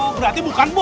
oh berarti bukan bom ya